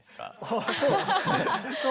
あっそう？